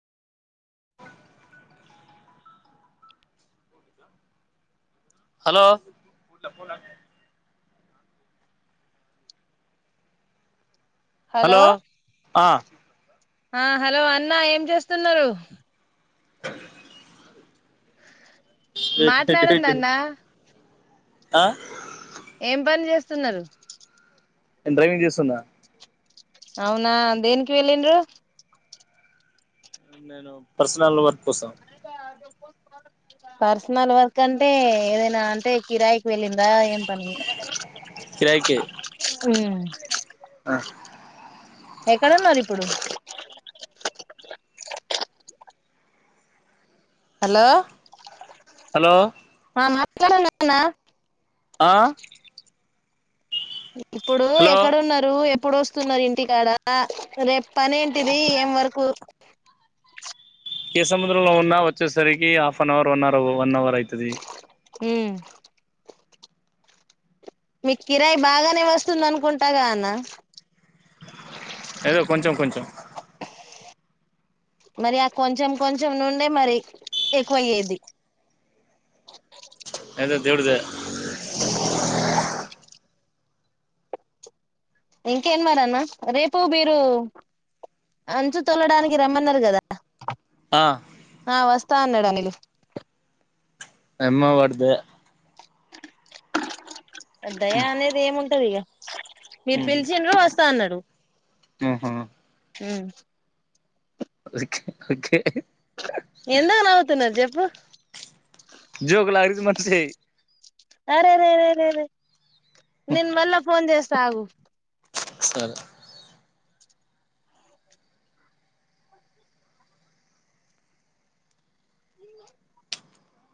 hello hello ఆ ఆ hello అన్నా ఏం చేస్తున్నరు అ మాట్లాడండి అన్నా ఆ ఏం పని చేస్తున్నరు నేను డ్రైవింగ్ చేస్తున్న అవునా అందేన్కి వెళ్ళిన్రు నేను పర్సనల్ వర్క్ కోసం పర్సనల్ వర్క్ అంటే ఏదైనా అంటే కిరాయి వెళ్లిందా ఏం పని ఆ ఎక్కడున్నారు ఇప్పుడు హలో హలో చూడం నా ఆ ఇప్పుడు హలో ఎక్కడున్నరు ఎప్పుడొస్తున్న రింటికాడ రేప్ పనేంటిది ఏం వరకు కే సముద్రంలో ఉన్నా వచ్చేసరికి half an hour one or one hour అయితది హుమ్ మీకు కిరాయి బాగానే వస్తుంది అనుకుంటాగా అన్న ఏదో కొంచం కొంచం మరి ఆ కొంచం కొంచం నుండే మరి ఎక్కువయ్యేది ఏదో దేవుడు దయ ఇంకేం మరన్నా రేపు మీరు అంచు తొల్లడానికి రమ్మన్నరు కదా ఆ ఆ వస్తా అన్నాడు అనిలు అమ్మ వాడి దయ దయా అనేది ఏముంటది ఇగ మీరు పిలిచిండ్రు వస్తా అన్నడు ఉమ్ హు హు ఓకే ఓకే ఎందుకు నవ్వుతున్నరు జెప్పు జోకులాగు మన అరేరేరేరేే నేను మళ్ళా ఫోన్ చేస్తాగు సరే ఇ